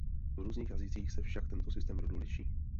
V různých jazycích se však tento systém rodů liší.